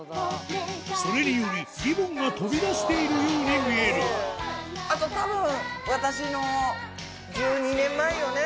それによりリボンが飛び出しているように見えるあとたぶん。